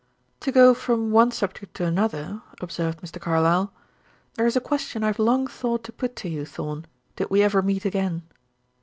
"To go from one subject to another," observed Mr. Carlyle; "there is a question I have long thought to put to you, Thorn, did we ever meet again.